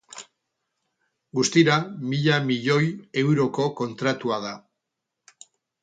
Guztira, mila milioi euroko kontratua da.